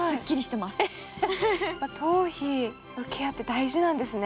頭皮のケアって大事なんですね。